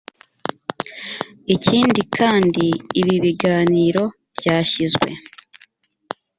ikindi kandi ibi biganiro byashyizwe